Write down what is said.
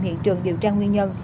hiện trường điều tra nguyên nhân